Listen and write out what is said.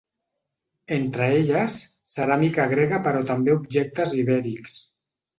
Entre elles, ceràmica grega però també objectes ibèrics.